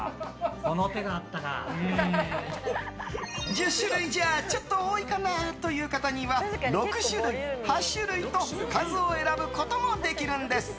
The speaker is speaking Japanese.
１０種類じゃちょっと多いかなという方には６種類、８種類と数を選ぶこともできるんです。